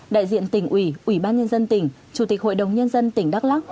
đại diện tỉnh ủy ủy ban nhân dân tỉnh chủ tịch hội đồng nhân dân tỉnh đắk lắc